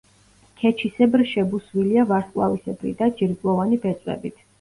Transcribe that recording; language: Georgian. ქეჩისებრ შებუსვილია ვარსკვლავისებრი და ჯირკვლოვანი ბეწვებით.